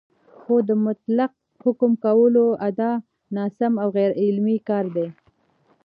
خو د مطلق حکم کولو ادعا ناسم او غیرعلمي کار دی